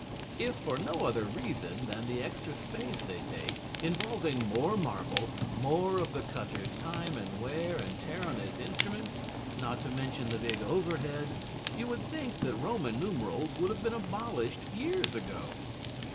If for no other reason than the extra space they take, involving more marble, more of the cutter's time and wear and tear on his instruments, not to mention the big overhead, you would think that Roman numerals would have been abolished long ago.